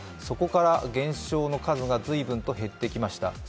そこから減少の数が随分と減ってきました。